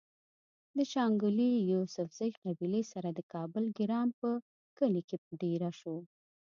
د شانګلې د يوسفزۍقبيلې سره د کابل ګرام پۀ کلي کې ديره شو